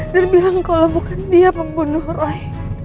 dan bilang kalo bukan dia pembunuh roy